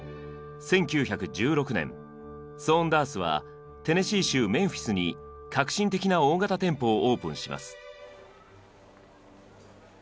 １９１６年ソーンダースはテネシー州メンフィスに革新的な大型店舗をオープンします。